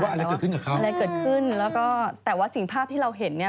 อะไรเกิดขึ้นกับเขาอะไรเกิดขึ้นแล้วก็แต่ว่าสิ่งภาพที่เราเห็นเนี่ย